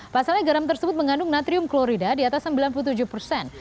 pasalnya garam tersebut mengandung natrium klorida di atas sembilan puluh tujuh persen